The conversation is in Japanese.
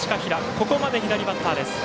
ここまで左バッターです。